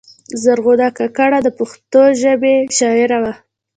زرغونه کاکړه د پښتو ژبې شاعره وه.